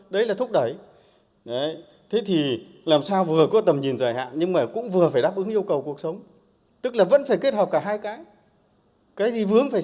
đấy là thúc đẩy thế thì làm sao vừa có tầm nhìn dài hạn nhưng mà cũng vừa phải đáp ứng yêu cầu cuộc sống